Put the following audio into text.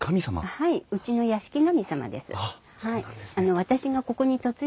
はい。